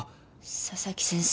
佐々木先生？